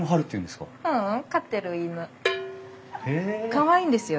かわいいんですよ。